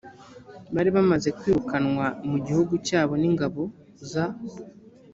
bari bamaze kwirukanwa mu gihugu cyabo n ingabo za